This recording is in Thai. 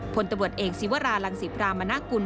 พลตำรวจเอกศิวรารังศิพรามณกุล